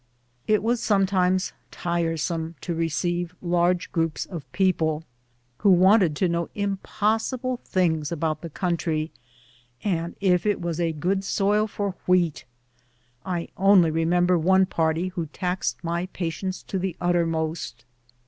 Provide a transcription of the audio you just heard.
It was soraetinfes tiresome to receive large groups of CURIOUS CHARACTERS AND EXCURSIONISTS. 243 people, who wanted to know impossible things about the country, and if it was a good soil for wheat. I only remember one party who taxed my patience to the ut termost.